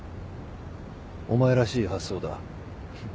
お前らしい発想だ。